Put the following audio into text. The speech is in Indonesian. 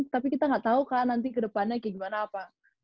tapi kita nggak tahu kak nanti ke depannya gimana apa